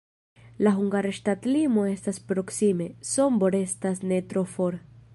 La hungara ŝtatlimo estas proksime, Sombor estas ne tro for.